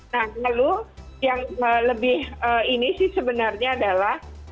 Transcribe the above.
nah lalu yang lebih ini sih sebenarnya adalah